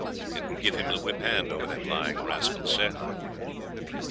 It will give him the whip hand over that lying rascal Sehi."